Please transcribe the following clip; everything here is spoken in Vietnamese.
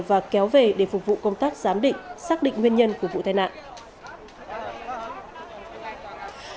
và kéo về để phục vụ công tác giám định xác định nguyên nhân của vụ tai nạn